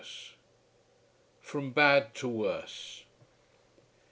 FROM BAD TO WORSE.